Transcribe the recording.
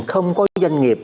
không có doanh nghiệp